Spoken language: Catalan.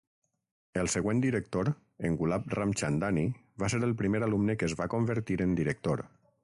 El següent director, en Gulab Ramchandani, va ser el primer alumne que es va convertir en director.